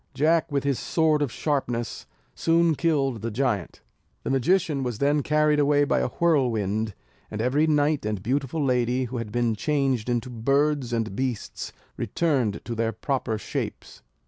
Jack, with his sword of sharpness, soon killed the giant. The magician was then carried away by a whirlwind and every knight and beautiful lady, who had been changed into birds and beasts, returned to their proper shapes.